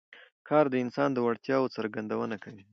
کار د انسان د وړتیاوو څرګندونه کوي